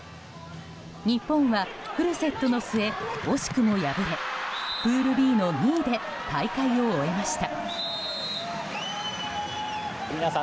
日本はフルセットの末、惜しくも敗れプールＢの２位で大会を終えました。